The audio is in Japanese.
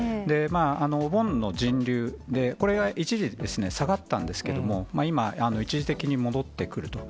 お盆の人流で、これが一時、下がったんですけども、今、一時的に戻ってくると。